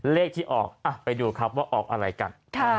เลขที่ออกไปดูครับว่าออกอะไรกัน